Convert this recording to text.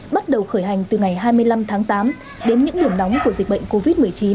bắt đầu khởi hành từ ngày hai mươi năm tháng tám đến những điểm nóng của dịch bệnh covid một mươi chín